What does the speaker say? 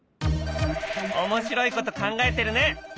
面白いこと考えてるね！